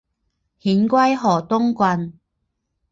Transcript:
遣归河东郡。